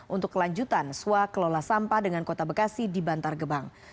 untuk kelanjutan swa kelola sampah dengan kota bekasi di bantar gebang